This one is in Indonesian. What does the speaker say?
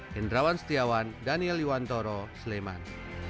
hendrawan setiawan daniel iwantoro sleman